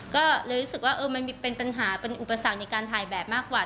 ก็เลยรู้สึกว่ามันเป็นปัญหาเป็นอุปสรรคในการถ่ายแบบมากกว่า